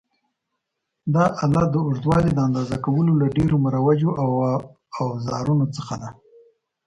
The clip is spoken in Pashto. دا آله د اوږدوالي د اندازه کولو له ډېرو مروجو اوزارونو څخه ده.